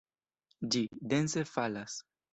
Ĝi dense falas!